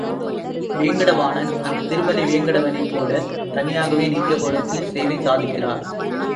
வேங்கடவாணன் அந்த திருமலை வேங்கடவனைப் போல தனியாகவே நின்ற கோலத்தில் சேவை சாதிக்கிறார்.